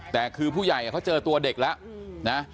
แต่คือผู้ใหญ่เขาเจอตัวเด็กแล้วนะ